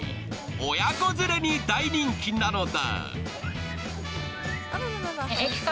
親子連れに大人気なのだ。